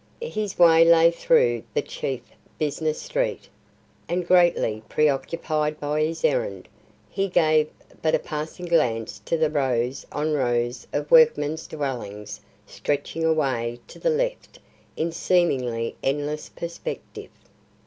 His way lay through the chief business street, and greatly preoccupied by his errand, he gave but a passing glance to the rows on rows of workmen's dwellings stretching away to the left in seemingly endless perspective.